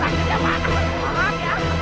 aku mau bangat ya